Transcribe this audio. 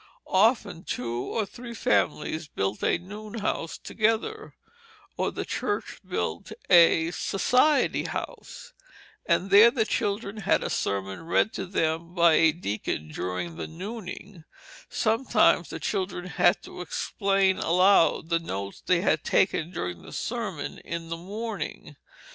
Often two or three families built a noon house together, or the church built a "Society house," and there the children had a sermon read to them by a deacon during the "nooning"; sometimes the children had to explain aloud the notes they had taken during the sermon in the morning.